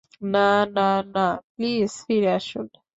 না, না, না, প্লিজ ফিরে আসুন।